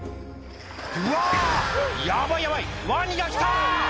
「うわヤバいヤバいワニが来た！」